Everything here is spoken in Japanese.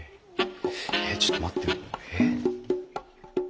えっちょっと待ってよえっ？